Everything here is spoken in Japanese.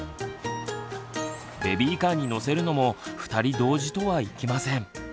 ベビーカーに乗せるのも２人同時とはいきません。